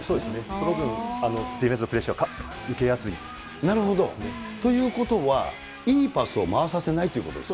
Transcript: その分、デフェンスのプレッシャなるほど、ということはいいパスを回させないということですね。